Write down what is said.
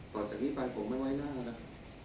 ต่อจากนี้ไปผมไม่ไว้หน้านะ